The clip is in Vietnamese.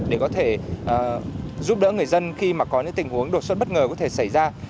để có thể giúp đỡ người dân khi mà có những tình huống đột xuất bất ngờ có thể xảy ra